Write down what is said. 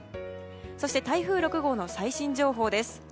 そして台風６号の最新情報です。